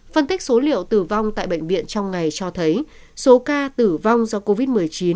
phân tích số liệu tử vong tại bệnh viện trong ngày cho thấy số ca tử vong do covid một mươi chín